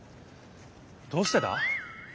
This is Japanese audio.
どうしてだ？